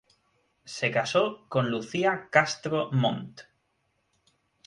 Se casó con Lucía Castro Montt.